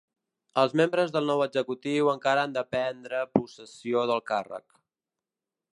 Els membres del nou executiu encara han de prendre possessió del càrrec.